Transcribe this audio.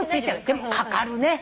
でもかかるね。